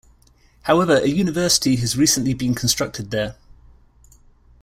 However, a university has recently been constructed there.